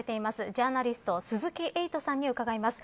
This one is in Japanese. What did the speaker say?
ジャーナリスト鈴木エイトさんに伺います。